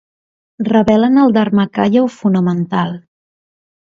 Revelen el dharmakaya o fonamental.